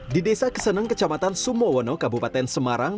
di desa keseneng kecamatan sumowono kabupaten semarang